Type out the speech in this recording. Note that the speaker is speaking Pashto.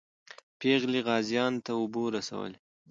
پېغلې غازیانو ته اوبه رسولې.